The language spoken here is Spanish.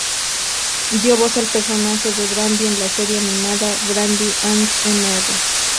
Dio voz al personaje de Brandy en la serie animada "Brandy and Mr.